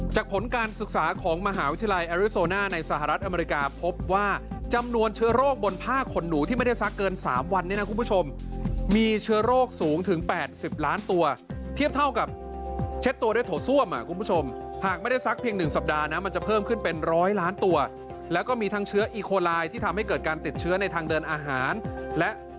จากผลการศึกษาของมหาวิทยาลัยอาริโซน่าในสหรัฐอเมริกาพบว่าจำนวนเชื้อโรคบนผ้าขนหนูที่ไม่ได้ซักเกิน๓วันเนี่ยนะคุณผู้ชมมีเชื้อโรคสูงถึง๘๐ล้านตัวเทียบเท่ากับเช็ดตัวด้วยโถ่ซ่วมคุณผู้ชมหากไม่ได้ซักเพียง๑สัปดาห์นะมันจะเพิ่มขึ้นเป็น๑๐๐ล้านตัวแล้วก็มีทางเชื้